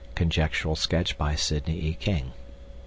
(Conjectural sketch by Sidney E. King.)